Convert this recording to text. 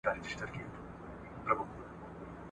ښايی چي لس تنه اورېدونکي به ,